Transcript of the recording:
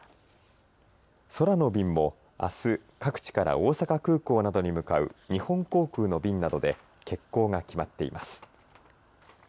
空の便もあす各地から大阪空港などに向かう日本航空の便などで欠航が決まっています。